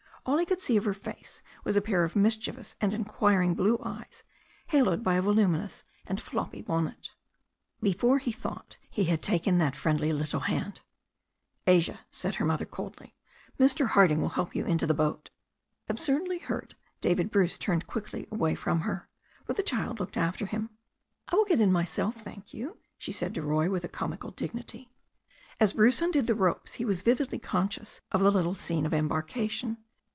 All he could see of her face was a pair of mischievous and inquiring blue eyes, haloed by a voluminous and floppy bonnet. Before he thought, he had taken that friendly little hand. 12 THE STORY OF A NEW ZEALAND RIVER "Asia," said her mother coldly, "Mr. Harding will help you into the boat." Absurdly hurt, David Bruce turned quickly away from her. But the child looked after him. "I will get in myself, thank you," she said to Roy, with a comical dignity. As Bruce undid the ropes he was vividly conscious of the little scene of embarkation.